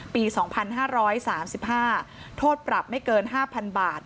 ปีสองพันห้าร้อยสามสิบห้าโทษปรับไม่เกินห้าพันบาท